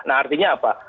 nah artinya apa